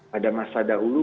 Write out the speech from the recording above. pada masa dahulu